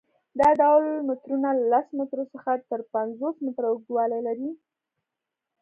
دا ډول مترونه له لس مترو څخه تر پنځوس متره اوږدوالی لري.